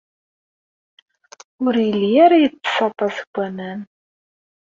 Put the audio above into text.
Ur yelli ara yettess aṭas n waman.